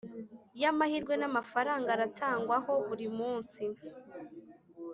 y amahirwe n amafaranga arutangwaho buri munsi